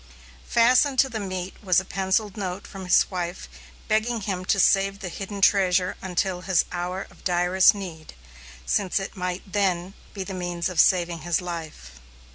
Fastened to the meat was a pencilled note from his wife, begging him to save the hidden treasure until his hour of direst need, since it might then be the means of saving his life.